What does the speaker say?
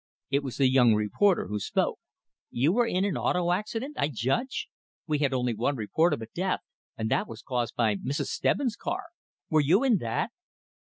It was the young reporter who spoke. "You were in an auto accident, I judge? We had only one report of a death, and that was caused by Mrs. Stebbins' car. Were you in that?"